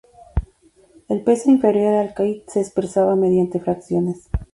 El peso inferior al kite se expresaba mediante fracciones.